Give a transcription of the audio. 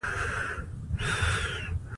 تاریخ د افغانستان د انرژۍ سکتور برخه ده.